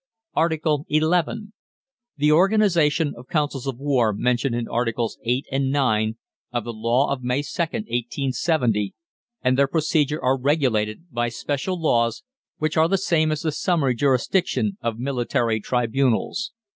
ARTICLE XI. The organisation of Councils of War mentioned in Articles VIII. and IX. of the Law of May 2, 1870, and their procedure are regulated by special laws which are the same as the summary jurisdiction of military tribunals.